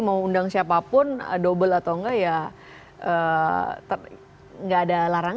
mau undang siapapun double atau enggak ya nggak ada larangan